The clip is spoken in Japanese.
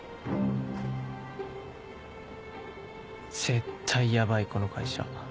絶対ヤバいこの会社